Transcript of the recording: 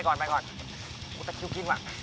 ไขว้ขาไขว้ไขว้ขา